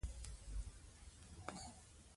دوی یې د مشرۍ دنده نه لرله.